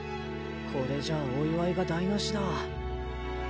これじゃおいわいが台なしだ